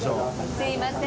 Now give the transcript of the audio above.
すみません。